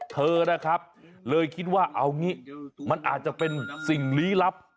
เธอนะครับเลยคิดว่าเอางี้มันอาจจะเป็นสิ่งลี้ลับ